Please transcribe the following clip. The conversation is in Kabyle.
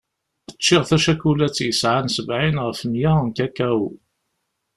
Ččiɣ tacakulat yesɛan sebɛin ɣef meyya n kakao.